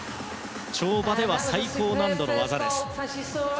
跳馬では最高難度の技です。